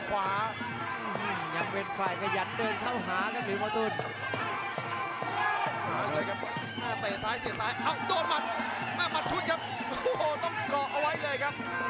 หลุมอตุ๋นยังคงเวียกเข้ามามันยังจะถือซ้ายแล้วหลักนาย